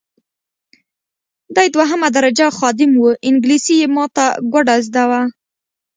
دی دوهمه درجه خادم وو انګلیسي یې ماته ګوډه زده وه.